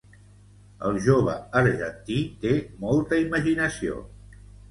El jove argentí té molta imaginació